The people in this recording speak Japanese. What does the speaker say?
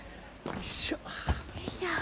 よいしょ。